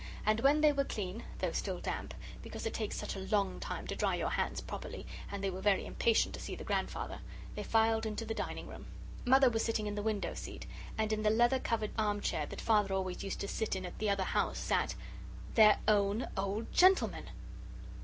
And when they were clean, though still damp because it takes such a long time to dry your hands properly, and they were very impatient to see the grandfather they filed into the dining room. Mother was sitting in the window seat, and in the leather covered armchair that Father always used to sit in at the other house sat THEIR OWN OLD GENTLEMAN!